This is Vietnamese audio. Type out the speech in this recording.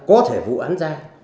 có thể vụ án ra